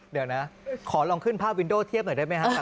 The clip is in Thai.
เดี๋ยวนะขอลองขึ้นภาพวินโดเทียบหน่อยได้ไหมฮะ